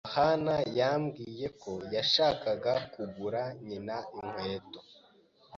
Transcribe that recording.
yohani yambwiye ko yashakaga kugura nyina inkweto.